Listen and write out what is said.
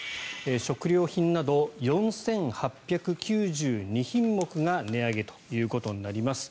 食料品など４８９２品目が値上げということになります。